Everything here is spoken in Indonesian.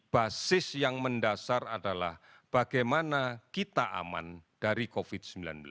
basis yang mendasar adalah bagaimana kita aman dari covid sembilan belas